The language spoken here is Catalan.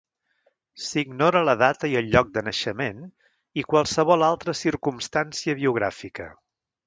S'ignora la data i el lloc de naixement i qualsevol altra circumstància biogràfica.